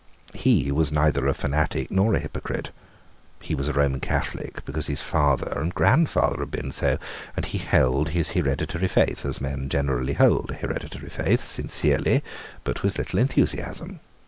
He was neither a fanatic nor a hypocrite. He was a Roman Catholic because his father and grandfather had been so; and he held his hereditary faith, as men generally hold a hereditary faith, sincerely, but with little enthusiasm.